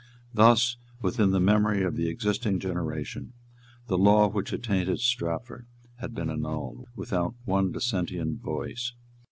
Thus, within the memory of the existing generation, the law which attainted Strafford had been annulled, without one dissentient voice.